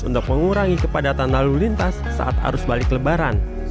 untuk mengurangi kepadatan lalu lintas saat arus balik lebaran